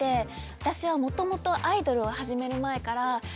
私はもともとアイドルを始める前からネガティブ思考で。